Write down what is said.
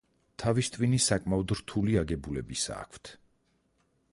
თავის ტვინი საკმაოდ რთული აგებულებისა აქვთ.